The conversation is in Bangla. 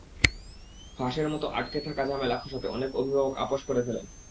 ফাঁসের মতো আটকে থাকা ঝামেলা খসাতে অনেক অভিভাবক আপস করে ফেলেন।